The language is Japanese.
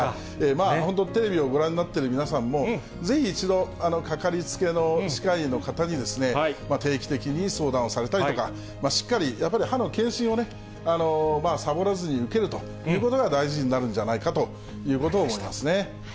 まあ本当、テレビをご覧になっている皆さんも、ぜひ一度、かかりつけの歯科医の方に、定期的に相談をされたりとか、しっかりやっぱり歯の健診をね、サボらずに受けるということが、大事になるんじゃないかということを思いますね。